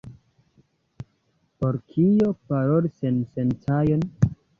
Por kio paroli sensencaĵon?